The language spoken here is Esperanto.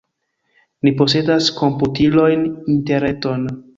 Ni posedas komputilojn, interreton.